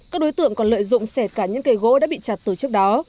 các đối tượng còn lợi dụng sẻ cả những cây gỗ đã bị chặt từ trước đó